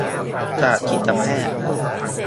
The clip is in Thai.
จากจิตแพทย์